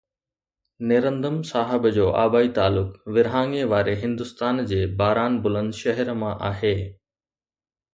نيرندم صاحب جو آبائي تعلق ورهاڱي واري هندستان جي باران بلند شهر مان آهي